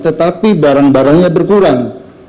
tetapi barang barangnya berkurang